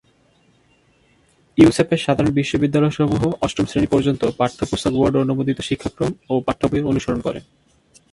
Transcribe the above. ইউসেপের সাধারণ বিদ্যালয়সমূহ অষ্টম শ্রেণি পর্যন্ত পাঠ্যপুস্তক বোর্ড অনুমোদিত শিক্ষাক্রম ও পাঠ্যবই অনুসরণ করে।